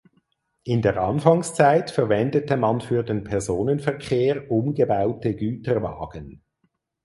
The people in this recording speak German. In der Anfangszeit verwendete man für den Personenverkehr umgebaute Güterwagen.